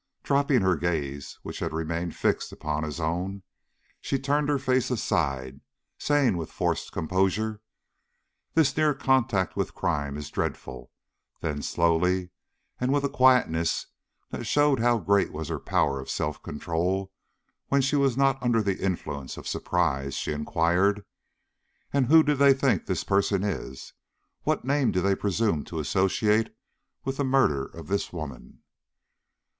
Dropping her gaze, which had remained fixed upon his own, she turned her face aside, saying with forced composure: "This near contact with crime is dreadful." Then slowly, and with a quietness that showed how great was her power of self control when she was not under the influence of surprise, she inquired: "And who do they think this person is? What name do they presume to associate with the murderer of this woman?"